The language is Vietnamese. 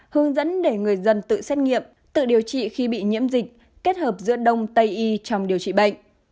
hướng dẫn để người dân tự xét nghiệm tự điều trị khi bị nhiễm dịch kết hợp giữa đông tây y trong điều trị bệnh